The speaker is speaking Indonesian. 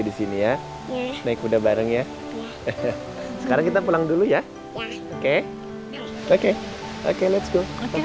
di sini ya naik kuda bareng ya sekarang kita pulang dulu ya oke oke oke let's go oke let's go